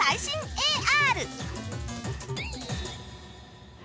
ＡＲ。